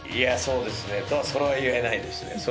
それは言えないですね。